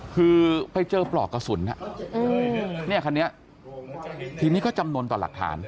คือไปเจอปลอกกระสุนเนี่ยคันนี้ทีนี้ก็จำนวนต่อหลักฐาน